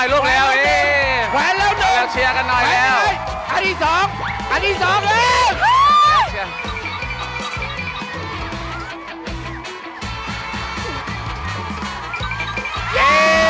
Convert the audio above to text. เย่